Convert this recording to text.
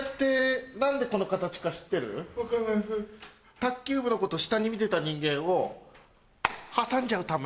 卓球部のこと下に見てた人間を挟んじゃうため。